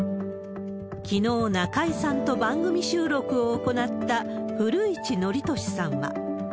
きのう、中居さんと番組収録を行った古市憲寿さんは。